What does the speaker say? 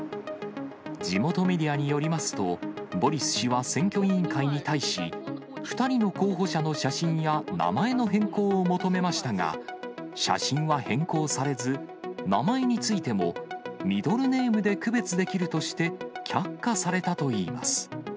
地元メディアによりますと、ボリス氏は選挙委員会に対し、２人の候補者の写真や、名前の変更を求めましたが、写真は変更されず、名前についても、ミドルネームで区別できるとして、却下されたといいます。